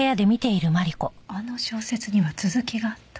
あの小説には続きがあった。